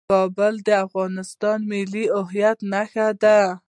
کابل د افغانستان د ملي هویت نښه ده.